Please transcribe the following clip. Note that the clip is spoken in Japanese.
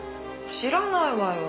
知らないわよ。